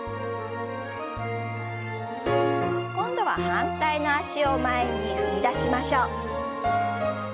今度は反対の脚を前に踏み出しましょう。